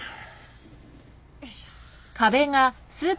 よいしょ。